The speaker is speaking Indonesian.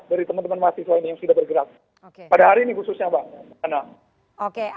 dari teman teman mahasiswa ini yang sudah bergerak